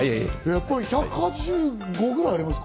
１８５ぐらいありますか？